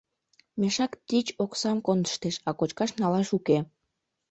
— Мешак тич оксам кондыштеш, а кочкаш налаш уке.